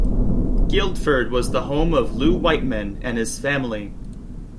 Guildford was the home of Lew Whiteman and his family.